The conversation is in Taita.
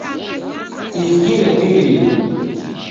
Sisikire firimbi